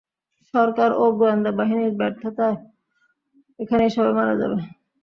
সরকার ও গোয়েন্দা বাহিনীর ব্যর্থতায় এখানের সবাই মারা যাবে।